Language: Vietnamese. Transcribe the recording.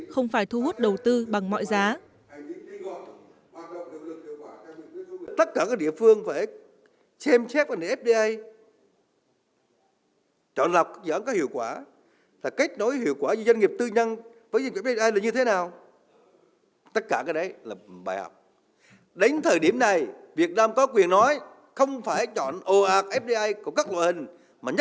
không phải thu hút đầu tư bằng mọi giá